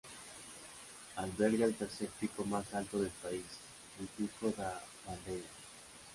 Alberga el tercer pico más alto del país, el Pico da Bandeira.